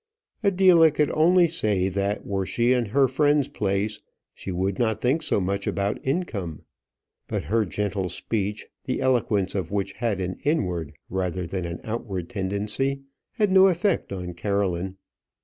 Adela could only say that were she in her friend's place she would not think so much about income; but her gentle speech, the eloquence of which had an inward, rather than an outward tendency, had no effect on Caroline.